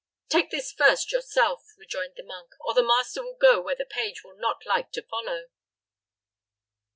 "Take this first yourself," rejoined the monk, "or the master will go where the page will not like to follow."